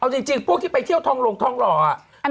เอาจริงพวกที่ไปเที่ยวทองหลงทองหล่อ